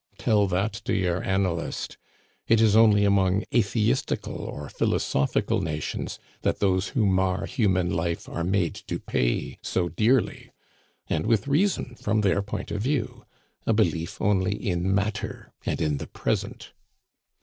Tell that to your analyst! It is only among atheistical or philosophical nations that those who mar human life are made to pay so dearly; and with reason from their point of view a belief only in matter and in the present.